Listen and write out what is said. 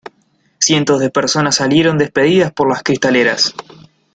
cientos de personas salieron despedidas por las cristaleras.